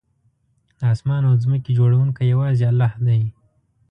د آسمان او ځمکې جوړونکی یوازې الله دی